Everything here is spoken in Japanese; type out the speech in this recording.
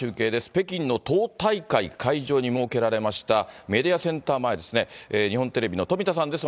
北京の党大会会場に設けられましたメディアセンター前ですね、日本テレビの富田さんです。